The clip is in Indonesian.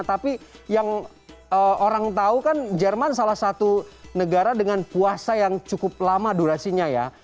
tapi yang orang tahu kan jerman salah satu negara dengan puasa yang cukup lama durasinya ya